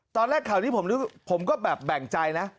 ตอนแรกข่าวนี้ผมก็แบ่งใจนะ